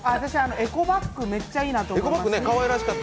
エコバッグ、めっちゃいいなと思いました。